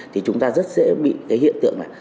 thì chúng ta rất dễ bị cái hiện tượng này